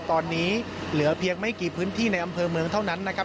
ตอนนี้เหลือเพียงไม่กี่พื้นที่ในอำเภอเมืองเท่านั้นนะครับ